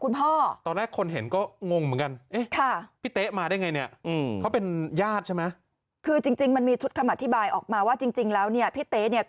พ่อตอนแรกคนเห็นก็งงเหมือนกันพี่เต๊มาได้ไงเนี่ยเขาเป็นญาติใช่ไหมคือจริงมันมีชุดคำอธิบายออกมาว่าจริงแล้วเนี่ยพี่เต๊เนี่ยก็